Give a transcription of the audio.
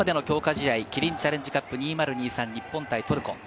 試合キリンチャレンジカップ２０２３、日本対トルコ。